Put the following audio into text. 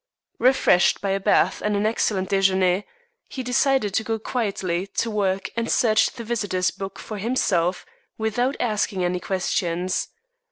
Refreshed by a bath and an excellent déjeuner, he decided to go quietly to work and search the visitors' book for himself without asking any questions.